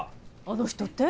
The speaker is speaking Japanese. あの人って？